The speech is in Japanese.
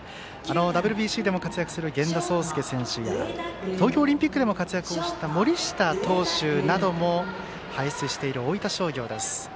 ＷＢＣでも活躍する源田壮亮選手や東京オリンピックでも活躍した森下投手なども輩出している大分商業です。